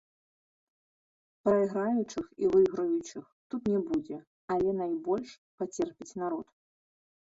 Прайграючых і выйграючых тут не будзе, але найбольш пацерпіць народ.